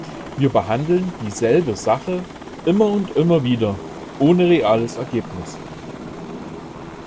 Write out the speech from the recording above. Wir behandeln dieselbe Sache immer und immer wieder, ohne reales Ergebnis.